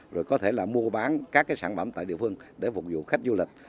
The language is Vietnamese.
rồi có thể là mua bán các cái sản phẩm tại địa phương để phục vụ khách du lịch